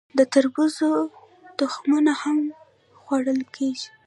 د تربوز تخمونه هم خوړل کیږي.